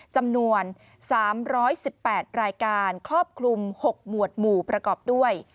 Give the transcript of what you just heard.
จำนวน๓๑๘รายการครอบคลุม๖หมวดหมู่ประกอบด้วย